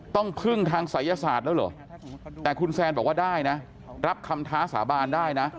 ต้องพึ่งทางศัยศาสตร์แล้วเหรอแต่คุณแซนบอกว่าได้นะรับคำท้าสาบานได้นะ